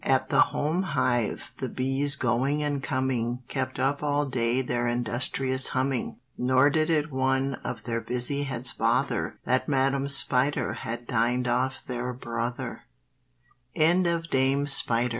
At the home hive the bees going and coming Kept up all day their industrious humming, Nor did it one of their busy heads bother That Madame Spider had dined off their brother. HICKORY DICKORY DOCK.